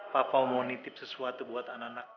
papa mau nitip sesuatu buat anak anak